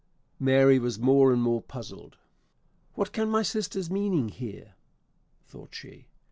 Mary was more and more puzzled. "'What can be my sister's meaning here?" thought she.